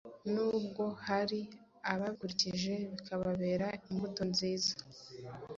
N'ubwo hari ababikurikije bikababera imbuto nziza